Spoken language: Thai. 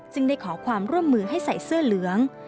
ได้ขอความร่วมมือให้ใส่เสื้อเหลือง